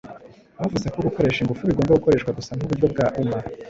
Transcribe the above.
Bavuze ko gukoresha ingufu bigomba gukoreshwa gusa nkuburyo bwa uma.